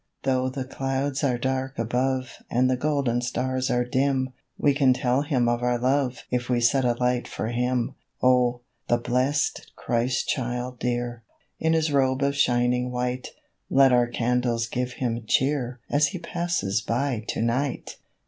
Though the clouds are dark above And the golden stars are dim, We can tell Him of our love If we set a light for Him. Oh, the blessed Christ child dear, In His robe of shining white, Let our candles give Him cheer As He passes by to night!